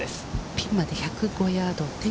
ピンまで１０５ヤード。